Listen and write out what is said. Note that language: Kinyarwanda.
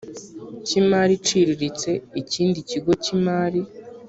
cy imari iciriritse ikindi kigo cy imari